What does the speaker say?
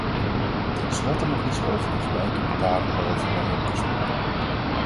Ten slotte nog iets over de gelijke betaling waarover wij hebben gesproken.